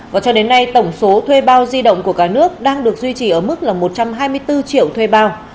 và cho đến nay tổng số thuê bao di động của cả nước đang được duy trì ở mức là một trăm hai mươi bốn triệu thuê bao